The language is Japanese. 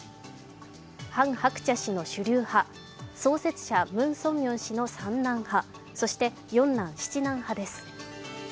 ハン・ハクチャ氏の主流派創設者・ムン・ソンミョン氏の三男派そして四男・七男派です。